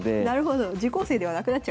受講生ではなくなっちゃうんですね。